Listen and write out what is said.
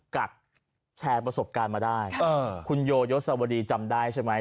กัดแชร์ประสบการณ์มาได้คุณโยยศวดีจำได้ใช่ไหม